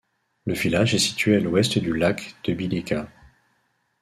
Le village est situé à l'ouest du lac de Bileća.